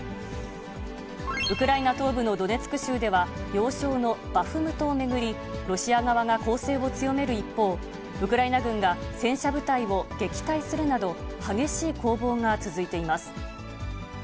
ウクライナ東部のドネツク州では、要衝のバフムトを巡り、ロシア側が攻勢を強める一方、ウクライナ軍が戦車部隊を撃退するなど、激しい攻防が続いています。